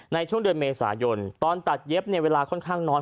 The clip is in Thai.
ในช่วงเดือนเมษายนตอนตัดเย็บเนี่ยเวลาค่อนข้างนอน